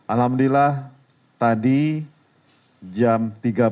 alhamdulillah tadi jam tiga belas